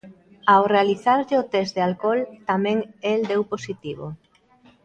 Ao realizarlle o test de alcol tamén el deu positivo.